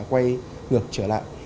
quay ngược trở lại